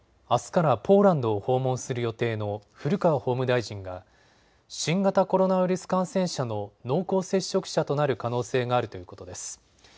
あすからポーランドを訪問する予定の古川法務大臣が新型コロナウイルス感染者の濃厚接触者となる可能性があるということです。